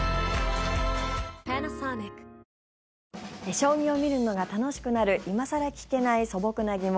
将棋を見るのが楽しくなる今更聞けない素朴な疑問